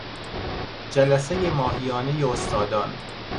جلسهی ماهیانه استادان